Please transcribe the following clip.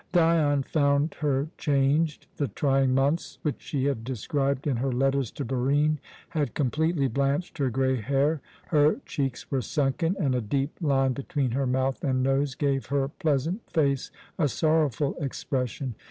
Dion found her changed. The trying months which she had described in her letters to Barine had completely blanched her grey hair, her cheeks were sunken, and a deep line between her mouth and nose gave her pleasant face a sorrowful expression.